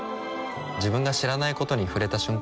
自分が知らないことに触れた瞬間